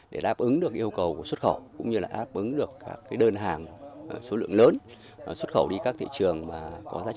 để đáp ứng được yêu cầu của xuất khẩu cũng như là đáp ứng được các đơn hàng số lượng lớn xuất khẩu đi các thị trường có giá trị kinh tế cao hơn ổn định hơn